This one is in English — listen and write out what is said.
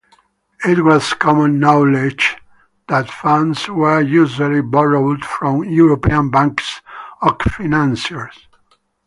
It was common knowledge that funds were usually borrowed from European banks or financiers.